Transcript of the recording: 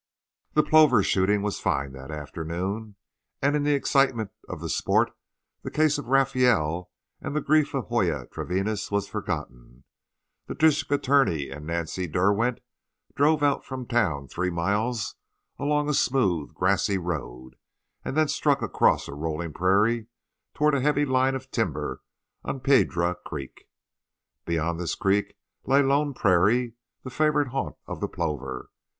The plover shooting was fine that afternoon, and in the excitement of the sport the case of Rafael and the grief of Joya Treviñas was forgotten. The district attorney and Nancy Derwent drove out from the town three miles along a smooth, grassy road, and then struck across a rolling prairie toward a heavy line of timber on Piedra Creek. Beyond this creek lay Long Prairie, the favourite haunt of the plover.